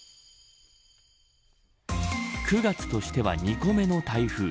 ９月としては２個目の台風。